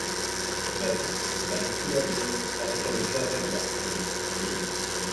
La wustite a une couleur grise, avec un éclat verdâtre.